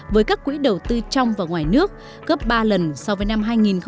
với các quỹ đầu tư trong và ngoài nước gấp ba lần so với năm hai nghìn một mươi